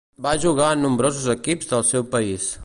Va jugar en nombrosos equips del seu país.